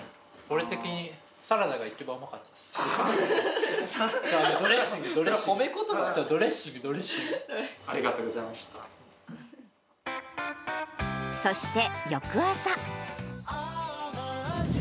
俺的に、サラダが一番うまかったです。